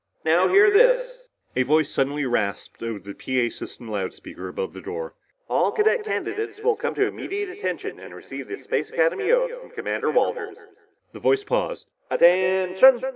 "Now hear this!!!" A voice suddenly rasped over the PA system loud speaker above the door. "All cadet candidates will come to attention to receive the Space Academy oath from Commander Walters." The voice paused. "_AT TENT SHUN!